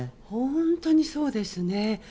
本当にそうですね。